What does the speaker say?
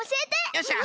よっしゃ。